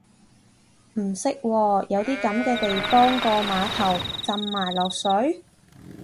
唔識喎，有啲噉嘅地方個碼頭浸埋落水？